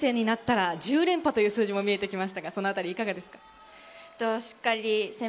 ４年生になったら１０連覇という数字も見えてきましたが、そのあたりはいかがですか？